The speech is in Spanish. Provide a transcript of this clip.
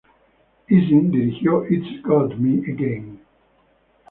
Ising dirigió "It's Got Me Again!